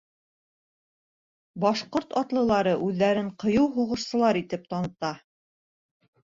Башҡорт атлылары үҙҙәрен ҡыйыу һуғышсылар итеп таныта.